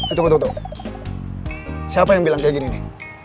eh tunggu tunggu tunggu siapa yang bilang kayak gini nih